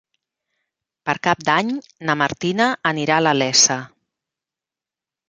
Per Cap d'Any na Martina anirà a la Iessa.